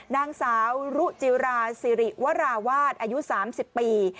นางสาวรุจิราสิริวราวาสอายุ๓๐ปี